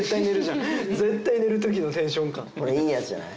いいやつじゃない？